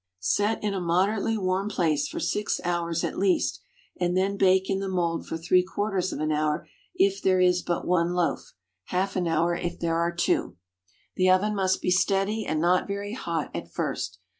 Set in a moderately warm place for six hours at least, and then bake in the mould for three quarters of an hour if there is but one loaf, half an hour if there are two. The oven must be steady and not very hot at first.